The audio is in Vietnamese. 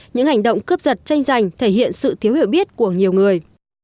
những hành động cướp giật tranh giành thể hiện sự thiếu hiểu biết của nhiều người